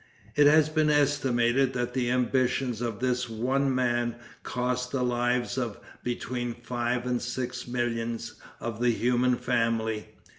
It has been estimated that the ambition of this one man cost the lives of between five and six millions of the human family.